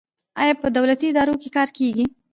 آیا په دولتي ادارو کې کار کیږي؟